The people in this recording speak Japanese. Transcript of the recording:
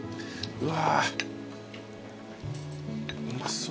うわ。